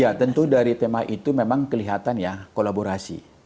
ya tentu dari tema itu memang kelihatan ya kolaborasi